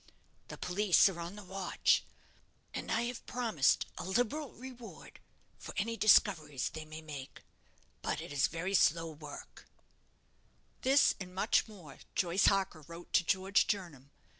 The police are on the watch, and I have promised a liberal reward for any discoveries they may make; but it is very slow work_." This, and much more, Joyce Harker wrote to George Jernam.